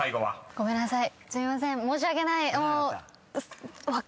ごめんなさい。